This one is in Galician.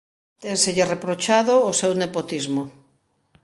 Ténselle reprochado o seu nepotismo.